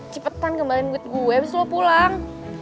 cepetan kembalin duit gue abis lo pulang